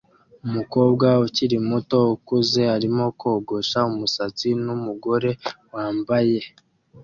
Umukobwa ukiri muto ukuze arimo kogosha umusatsi numugore wambaye